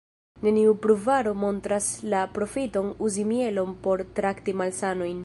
Neniu pruvaro montras la profiton uzi mielon por trakti malsanojn.